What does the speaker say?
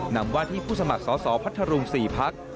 นำว่าที่ผู้สมัครสอสอพัทธรุง๔พัก